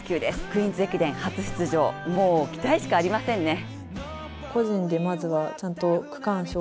クイーンズ駅伝、初出場、もう期待しかありませんね。